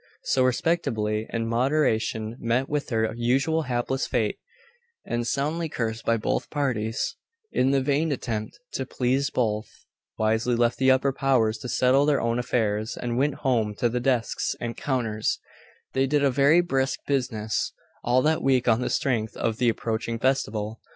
So respectability and moderation met with their usual hapless fate, and, soundly cursed by both parties, in the vain attempt to please both, wisely left the upper powers to settle their own affairs, and went home to their desks and counters, and did a very brisk business all that week on the strength of the approaching festival.